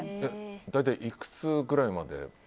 大体、いくつくらいまで？